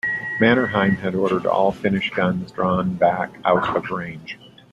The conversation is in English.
Mannerheim had ordered all Finnish guns drawn back out of range.